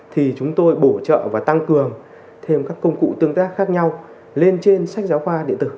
thì chúng tôi bổ trợ và tăng cường thêm các công cụ tương tác khác nhau lên trên sách giáo khoa điện tử